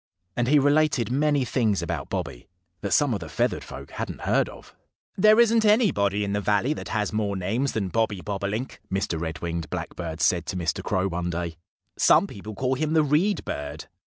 And he related many things about Bobby that some of the feathered folk hadn't heard of. "There isn't anybody in the valley that has more names than Bobby Bobolink," Mr. Red winged Blackbird said to Mr. Crow one day. "Some people call him the Reed Bird.